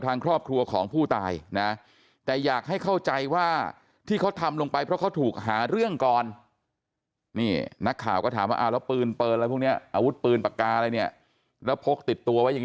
ทางครอบครัวของผู้ตายนะแต่อยากให้เข้าใจว่าที่เขาทำลง